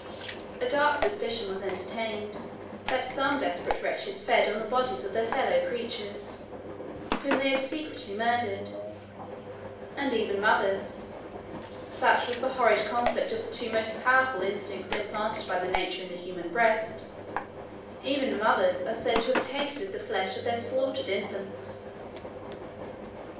A dark suspicion was entertained, that some desperate wretches fed on the bodies of their fellow creatures, whom they had secretly murdered; and even mothers, (such was the horrid conflict of the two most powerful instincts implanted by nature in the human breast,) even mothers are said to have tasted the flesh of their slaughtered infants!